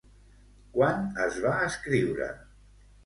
Quan es va escriure?